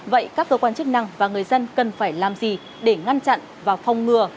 vậy các cơ quan chức năng và người dân cần phải làm gì để ngăn chặn và phòng ngừa